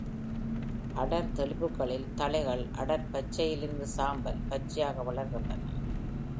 அடர் தெளிப்புகளில் தழைகள், அடர் பச்சையிலிருந்து சாம்பல் பச்சையாக வளர்கின்றன.